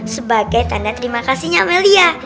sebagai tanda terima kasihnya amelia